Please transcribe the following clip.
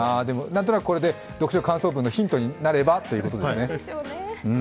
何となくこれで読書感想文のヒントになればということですね。